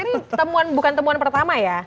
ini temuan bukan temuan pertama ya